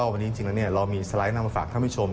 วันนี้จริงแล้วเรามีสไลด์นำมาฝากท่านผู้ชม